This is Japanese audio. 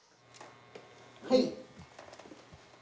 はい。